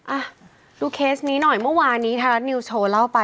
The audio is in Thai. อ่ะดูเคสนี้หน่อยเมื่อวานนี้ไทยรัฐนิวสโชว์เล่าไป